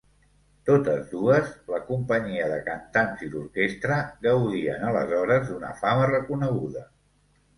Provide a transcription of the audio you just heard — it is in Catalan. Totes dues, la companyia de cantants i l'orquestra, gaudien aleshores d'una fama reconeguda.